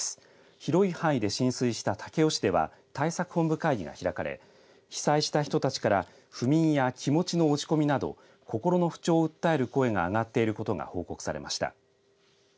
広い範囲で浸水した武雄市では対策本部会議が開かれ被災した人たちから不眠や気持ちの落ち込みなど心の不調を訴える声があがっていることが報告されました。